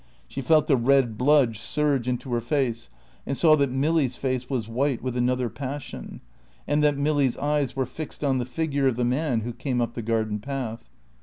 She felt the red blood surge into her face, and saw that Milly's face was white with another passion, and that Milly's eyes were fixed on the figure of the man who came up the garden path.